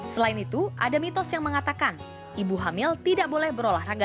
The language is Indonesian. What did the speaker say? selain itu ada mitos yang mengatakan ibu hamil tidak boleh berolahraga